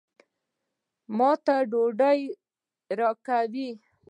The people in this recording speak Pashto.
ما ته ډوډۍ راکوي.